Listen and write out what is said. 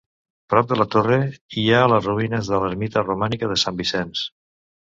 Prop de la torre, hi ha les ruïnes de l'ermita romànica de Sant Vicenç.